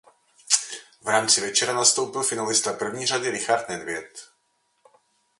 V rámci večera vystoupil finalista první řady Richard Nedvěd.